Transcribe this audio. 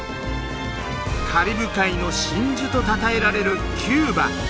カリブ海の真珠とたたえられるキューバ。